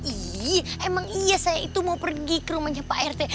ini emang iya saya itu mau pergi ke rumahnya pak rt